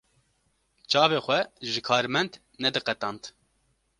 Çavê xwe ji karmend nediqetand.